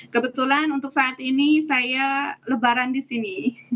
kebetulan untuk saat ini saya lebaran di sini